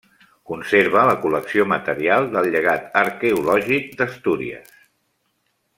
Conserva la col·lecció material del llegat arqueològic d'Astúries.